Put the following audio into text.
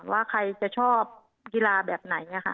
ว่าใครจะชอบกีฬาแบบไหน